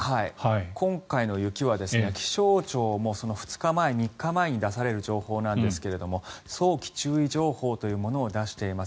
今回の雪は気象庁も２日前、３日前に出される情報なんですが早期注意情報というものを出しています。